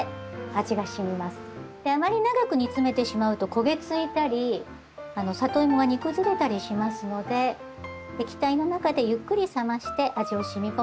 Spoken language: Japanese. あまり長く煮詰めてしまうと焦げ付いたりサトイモが煮崩れたりしますので液体の中でゆっくり冷まして味を染み込ませて下さい。